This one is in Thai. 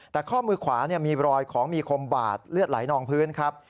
แต่ข้อมือขวามีรอยของมีคมบาดเลือดไหลนองพื้นครับ